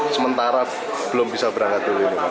sementara belum bisa berangkat dulu pak